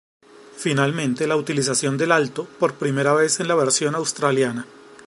Finalmente la utilización del Alto por primera vez en la versión Australiana.